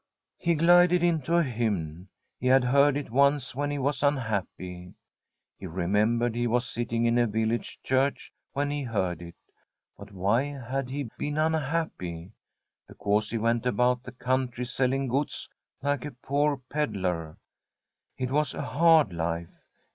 He glided into a hymn. He had heard it once when he was unhappy. He remembered he was sitting in a village church when he heard it. But why had be been unhappy .f^ Because he went about the country selling goods like a poor ped lar. It was a hard life.